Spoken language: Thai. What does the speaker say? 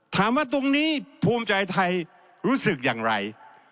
ถามว่าตรงนี้ภูมิใจไทยรู้สึกอย่างไร